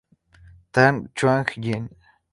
Tan Chuan-Jin.